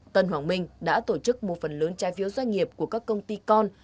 tân hoàng minh đã tổ chức một phần lớn trái phiếu doanh nghiệp của các công ty con